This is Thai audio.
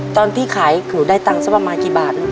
ตอนที่ขายหนูได้ตังค์สักประมาณกี่บาทลูก